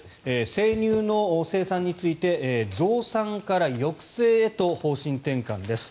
生乳の生産について増産から抑制へと方針転換です。